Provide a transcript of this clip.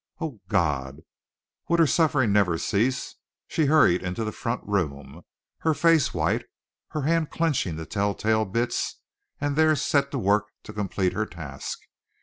Oh, God! Would her sufferings never cease! She hurried into the front room, her face white, her hand clenching the tell tale bits, and there set to work to complete her task.